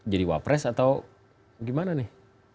jadi wapres atau gimana nih